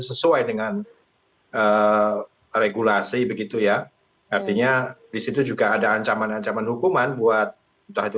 sesuai dengan regulasi begitu ya artinya disitu juga ada ancaman ancaman hukuman buat entah itu